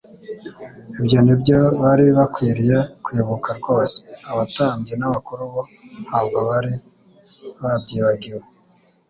Ibyo ni byo bari bakwiriye kwibuka rwose. Abatambyi n'abakuru bo ntabwo bari babyibagiwe.